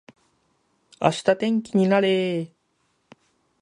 明日天気になれー